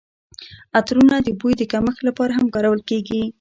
عطرونه د بوی د کمښت لپاره هم کارول کیږي.